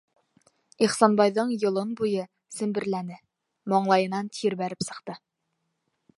- Ихсанбайҙың йолон буйы семберләне, маңлайынан тир бәреп сыҡты: